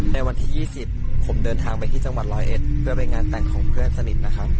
ในวันที่๒๐ผมเดินทางไปที่จังหวัดร้อยเอ็ดเพื่อไปงานแต่งของเพื่อนสนิทนะครับ